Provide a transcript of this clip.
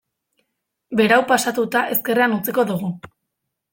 Berau pasatuta ezkerrean utziko dugu.